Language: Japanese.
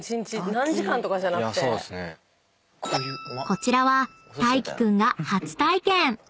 ［こちらは大樹君が初体験］